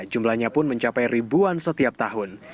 jumlahnya pun mencapai ribuan setiap tahun